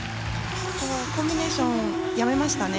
コンビネーションやめましたね。